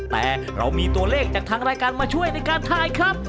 แต่เรามีตัวเลขจากทางรายการมาช่วยในการถ่ายครับ